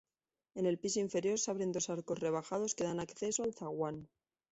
En el piso inferior se abren dos arcos rebajados que dan acceso al zaguán.